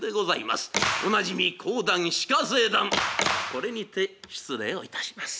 これにて失礼をいたします。